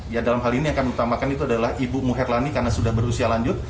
ya dalam hal ini yang kami utamakan itu adalah ibu muherlani karena sudah berusia lanjut